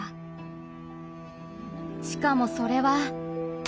しかもそれは。